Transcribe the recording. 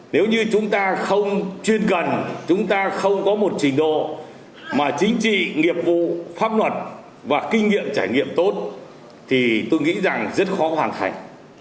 nếu như chúng ta không chuyên cần chúng ta không có một trình độ mà chính trị nghiệp vụ pháp luật và kinh nghiệm trải nghiệm tốt thì tôi nghĩ rằng rất khó hoàn thành